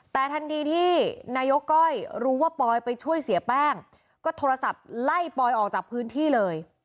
แต่ทันทีที่นายกก้อยรู้ว่าปอยไปช่วยเสียแป้งก็โทรศัพท์ไล่ปอยออกจากพื้นที่เลย